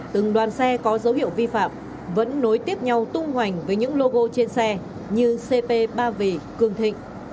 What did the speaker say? từng đoàn xe có dấu hiệu vi phạm vẫn nối tiếp nhau tung hoành với những logo trên xe như cp ba vì cường thịnh